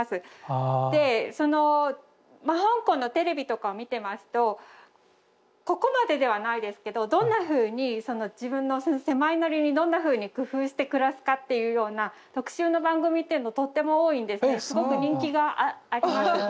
でそのまあ香港のテレビとかを見てますとここまでではないですけどどんなふうに自分の狭いなりにどんなふうに工夫して暮らすかっていうような特集の番組っていうのとっても多いんですねすごく人気があります。